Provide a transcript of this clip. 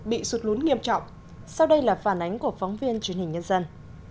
bị sụt lún nghiêm trọng sau đây là phản ánh của phóng viên truyền hình nhân dân